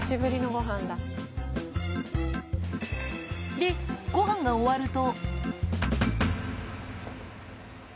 で、ごはんが終わると。